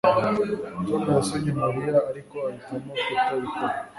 Tom yasomye Mariya ariko ahitamo kutabikora